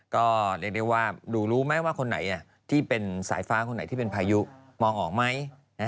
ก็เรียกได้ว่าดูรู้ไหมว่าคนไหนที่เป็นสายฟ้าคนไหนที่เป็นพายุมองออกไหม